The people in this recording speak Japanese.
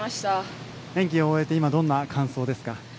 演技を終えてどんな感想ですか。